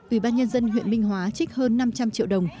ủy ban nhân dân huyện minh hóa trích hơn năm trăm linh triệu đồng